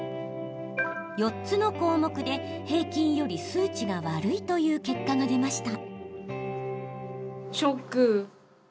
４つの項目で、平均より数値が悪いという結果が出ました。